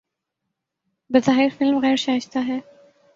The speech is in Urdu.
بظاہر فلم غیر شائستہ ہے